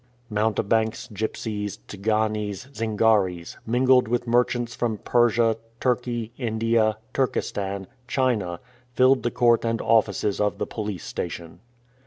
Mountebanks, gypsies, Tsiganes, Zingaris, mingled with merchants from Persia, Turkey, India, Turkestan, China, filled the court and offices of the police station.